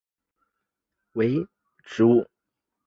细齿崖爬藤为葡萄科崖爬藤属的植物。